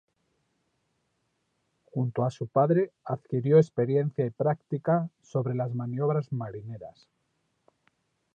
Junto a su padre adquirió experiencia y práctica sobre las maniobras marineras.